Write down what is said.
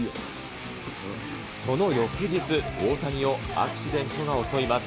その翌日、大谷をアクシデントが襲います。